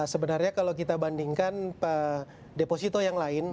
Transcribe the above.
sebenarnya kalau kita bandingkan deposito yang lain